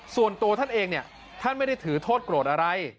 ส่วนตัวท่านเองเนี่ยท่านไม่ได้ถือโทษโกรธอะไร